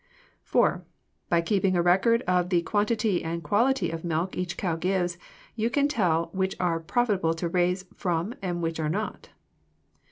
(4) By keeping a record of the quantity and quality of milk each cow gives you can tell which are profitable to raise from and which are not.